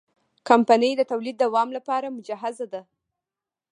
کمپنۍ د تولید دوام لپاره مجهزه ده.